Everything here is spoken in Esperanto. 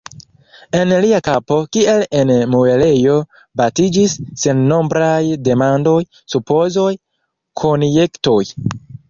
En lia kapo kiel en muelejo batiĝis sennombraj demandoj, supozoj, konjektoj.